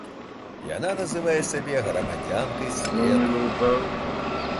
Яна называе сябе грамадзянкай свету.